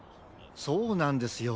そうなんですよ。